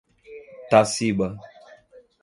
Taciba